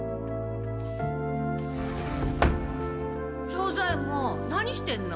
庄左ヱ門何してんの？